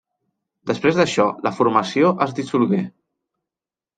Després d'això la formació es dissolgué.